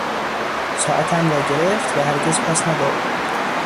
ساعتم را گرفت و هرگز پس نداد.